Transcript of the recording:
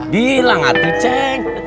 bilang atuh ceng